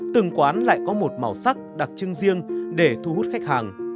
từng quán lại có một màu sắc đặc trưng riêng để thu hút khách hàng